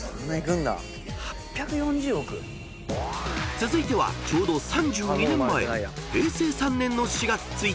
［続いてはちょうど３２年前］